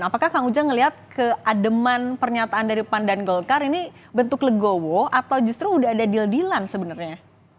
apakah kang ujang melihat keademan pernyataan dari pan dan golkar ini bentuk legowo atau justru udah ada deal deal sebenarnya